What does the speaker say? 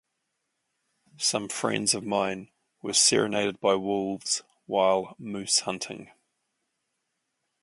Some friends of mine were serenaded by wolves while moose-hunting.